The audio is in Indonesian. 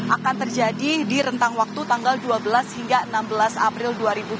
akan terjadi di rentang waktu tanggal dua belas hingga enam belas april dua ribu dua puluh